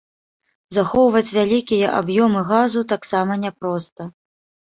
Захоўваць вялікія аб'ёмы газу таксама няпроста.